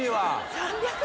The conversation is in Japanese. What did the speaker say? ３００円？